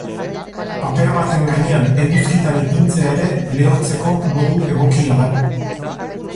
Paper baten gainean eguzkitan ipintzea ere lehortzeko modu egokia da.